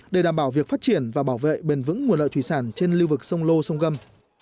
để đảm bảo việc phát triển và bảo vệ bền vững nguồn lợi thủy sản trên lưu vực sông lô sông gâm